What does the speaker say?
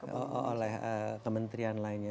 pernah oleh kementrian lainnya